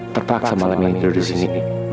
terpaksa malam ini tidur di sini